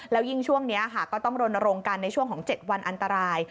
แล้วยิ่งช่วงนี้ค่ะก็ต้องรณรงค์กันในช่วงของ๗วันอันตราย